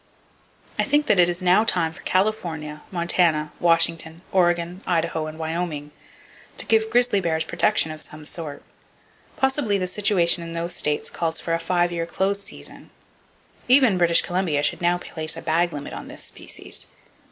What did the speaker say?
I think that it is now time for California, Montana, Washington, Oregon, Idaho and Wyoming to give grizzly bears protection of some sort. Possibly the situation in those states calls for a five year close season. Even British Columbia should now place a bag limit on this species.